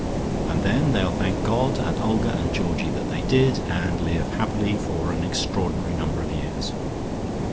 And then they'll thank God and Olga and Georgie that they did, and live happily for an extraordinary number of years.